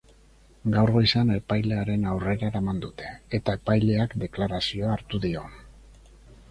Gaur goizean epailearen aurrera eraman dute, eta epaileak deklarazioa hartu dio.